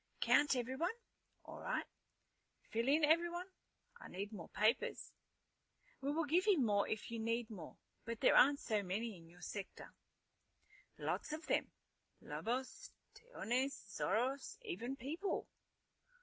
"Count everyone? All right. Fill in everyone? I need more papers." "We will give you more if you need more. But there aren't so many in your sector." "Lots of them. Lobos, tejones, zorros, even people."